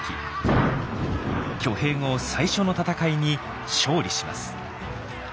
挙兵後最初の戦いに勝利します。